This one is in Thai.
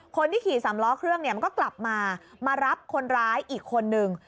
คนที่ขี่สามล้อเครื่องก็กลับมามารับคนร้ายอีกคนนึง